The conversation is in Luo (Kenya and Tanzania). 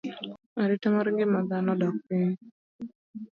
Arita mar ngima dhano odok piny.